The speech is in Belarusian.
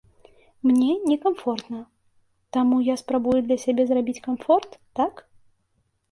Мне не камфортна, таму я спрабую для сябе зрабіць камфорт, так?